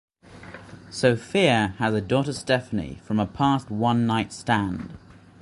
Sophia has a daughter Stephanie, from a past one night stand.